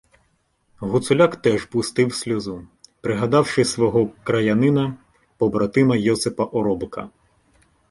Гуцуляк теж пустив сльозу, пригадавши свого краянина-побратима Йосипа Оробка.